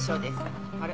あれ？